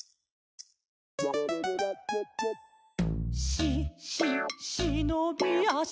「し・し・しのびあし」